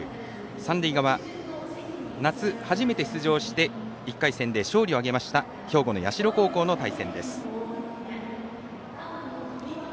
三塁側、夏初めて出場して１回戦で勝利を挙げました兵庫の社高校の対戦です。